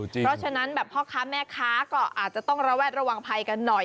เพราะฉะนั้นแบบพ่อค้าแม่ค้าก็อาจจะต้องระแวดระวังภัยกันหน่อย